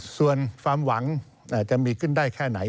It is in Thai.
ส่วนความหวังจะมีขึ้นได้แค่ไหน